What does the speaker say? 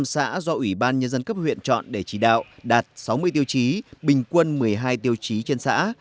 năm xã do ủy ban nhân dân cấp huyện chọn để chỉ đạo đạt sáu mươi tiêu chí bình quân một mươi hai tiêu chí trên xã